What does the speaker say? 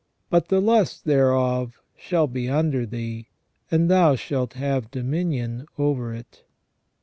But the lust thereof shall be under thee, and thou shalt have dominion over it."